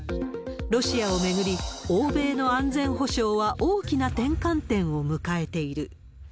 ロシアを巡り、欧米の安全保障は大きな転換点を迎えている。